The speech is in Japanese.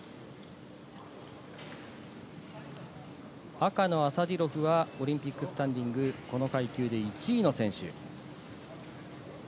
赤のアサディロフはオリンピックスタンディング、この階級で１位の選手。